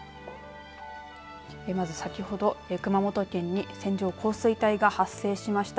まず先ほど熊本県に線状降水帯が発生しました。